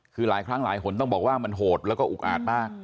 คือหลายครั้งหลายหนต้องบอกว่ามันโหดแล้วก็อุกอาจมาก